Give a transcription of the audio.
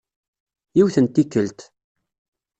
Yiwet n tikkelt.